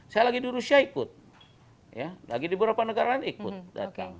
saya lagi di rusia ikut lagi di beberapa negara lain ikut datang